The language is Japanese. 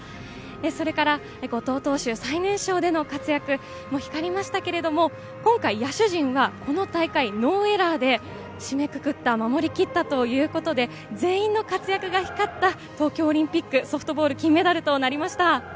それから後藤投手、最年少での活躍も光りましたけれども、今回、野手陣はこの大会ノーエラーで締めくくった、守り切ったということで、全員の活躍が光った東京オリンピックソフトボール金メダルとなりました。